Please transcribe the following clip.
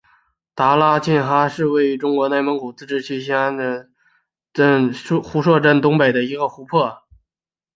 达拉沁哈嘎是位于中国内蒙古自治区兴安盟科尔沁右翼中旗白音胡硕镇东北的一个湖泊。